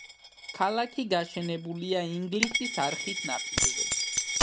ქალაქი გაშენებულია ინგლისის არხის ნაპირებზე.